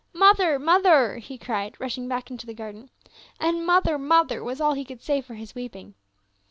"Mother! Mother!" he cried rushing back into the garden. And " Mother, mother," was all he could say for his weeping.